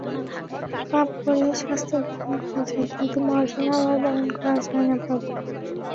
পাপ করিয়া শাস্তি বহন করা যায়, কিন্তু মার্জনাভার বহন করা যায় না প্রভু!